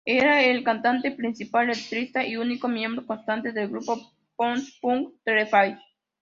Era el cantante principal, letrista y único miembro constante del grupo post-punk "The Fall".